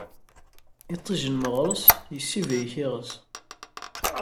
Iṭij n meɣres, yessibrik iɣes.